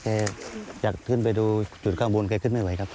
อยากขึ้นไปดูจุดข้างบนแกขึ้นไม่ไหวครับ